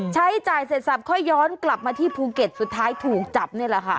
ใช้จ่ายเสร็จสับค่อยย้อนกลับมาที่ภูเก็ตสุดท้ายถูกจับนี่แหละค่ะ